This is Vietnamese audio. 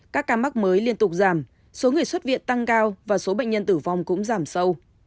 các ca mắc mới liên tục giảm số người xuất viện tăng cao và số bệnh nhân tử vong cũng giảm sâu